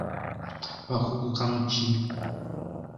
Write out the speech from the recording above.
Wakuguka mu ki?